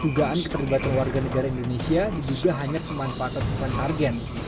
dugaan keterlibatan warga negara indonesia diduga hanya kemanfaatan bukan argen